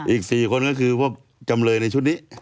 อีก๔คนก็คือพวกจำเลยในชุดนี้